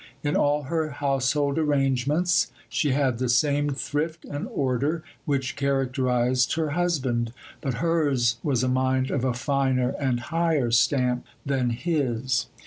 In all her household arrangements, she had the same thrift and order which characterized her husband; but hers was a mind of a finer and higher stamp than his.